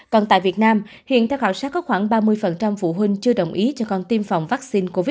còn tại việt nam hiện theo khảo sát có khoảng ba mươi phụ huynh chưa đồng ý cho con tiêm phòng vaccine covid một mươi chín